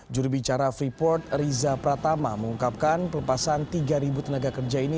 jurubicara freeport riza pratama mengungkapkan pelepasan tiga tenaga kerja ini